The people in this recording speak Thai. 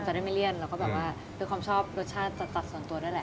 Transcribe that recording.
ได้ไม่เลี่ยนแล้วก็แบบว่าด้วยความชอบรสชาติจัดส่วนตัวด้วยแหละ